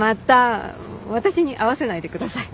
私に合わせないでください。